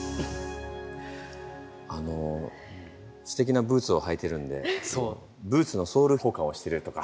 あのすてきなブーツを履いてるんでブーツのソール交換をしてるとか。